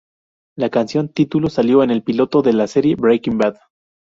La canción título salió en el Piloto de la serie Breaking Bad.